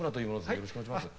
よろしくお願いします。